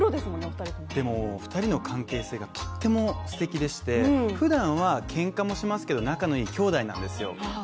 もう２人の関係性が切っても素敵でして普段は喧嘩もしますけど仲の良い兄弟なんですよ。